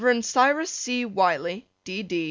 Cyrus C. Wiley, D. D.